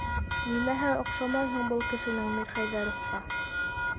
Нимәһе оҡшамай һуң был кешенең Мирхәйҙәровҡа?